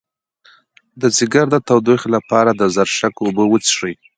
د ځیګر د تودوخې لپاره د زرشک اوبه وڅښئ